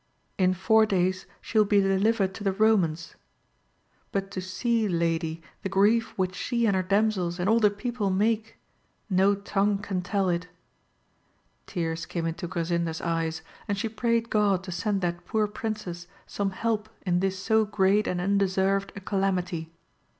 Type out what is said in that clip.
— In four days she will be delivered to the Eomans ; but to see. lady, the grief which she and her damsels and all the people make ! no tongue can tell it. Tears came into Gra 58 • AMADIS OF GAUL. sinda's eyes, and she prayed God to send that poor princess some help in this so great and undeserved a calamity.